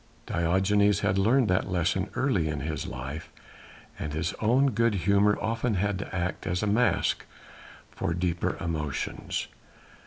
Diogenes had learned that lesson early in his life, and his own good humour often had to act as a mask for deeper emotions.